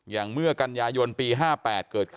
อย่างเมื่อกันยายนปี๕๘